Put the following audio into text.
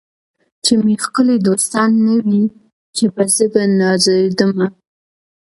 چي مي ښکلي دوستان نه وي چي به زه په نازېدمه